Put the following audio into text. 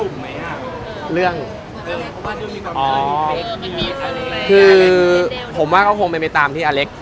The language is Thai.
มันจะมีปัญหาในกลุ่มไหมอ่ะเรื่องอ๋อคือผมว่าก็คงเป็นไปตามที่อเล็ก